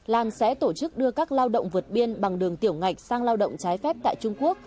lan sẽ tổ chức đưa các lao động vượt biên bằng đường tiểu biên